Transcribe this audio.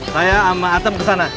saya sama atem kesana